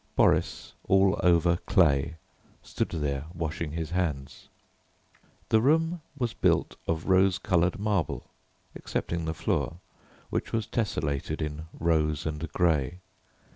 Boris, all over clay, stood there washing his hands. The room was built of rose coloured marble excepting the floor, which was tessellated in rose and grey.